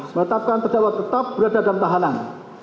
menetapkan pejabat tetap berada dalam tahanan